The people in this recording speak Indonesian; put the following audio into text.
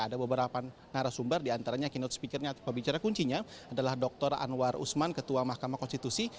ada beberapa narasumber diantaranya keynote speakernya atau pembicara kuncinya adalah dr anwar usman ketua mahkamah konstitusi